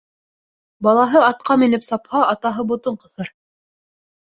Балаһы атҡа менеп сапһа, атаһы ботон ҡыҫыр.